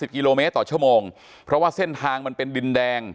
กิโลเมตรต่อชั่วโมงเพราะว่าเส้นทางมันเป็นดินแดง